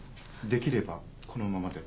できればこのままで。